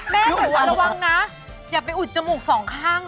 แม่ป็อตระวังนะอย่าไปอุดจมูก๒ข้าง